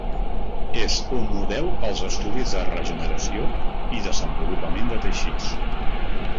És un model pels estudis de regeneració i desenvolupament de teixits.